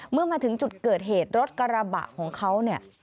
เมื่อมาถึงจุดเกิดเหตุรถกระบะของเขาเนี่ย